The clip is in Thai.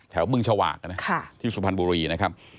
แถวเมืองชาวากที่สุพรรณบุรีนะครับ